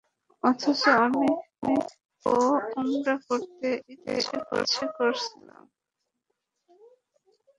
অথচ আমি তো উমরা করতে ইচ্ছে করেছিলাম।